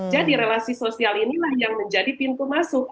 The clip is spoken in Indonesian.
jadi relasi sosial inilah yang menjadi pintu masuk